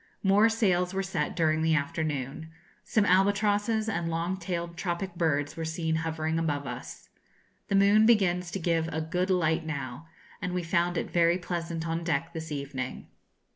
More sails were set during the afternoon. Some albatrosses and long tailed tropic birds were seen hovering about us. The moon begins to give a good light now, and we found it very pleasant on deck this evening.